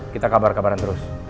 kita kabar kabaran terus